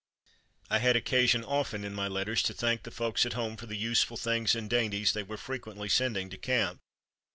I had occasion often in my letters to thank the folks at home for the useful things and dainties they were frequently sending to camp.